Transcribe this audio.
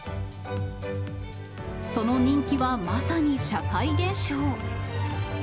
その人気はまさに社会現象。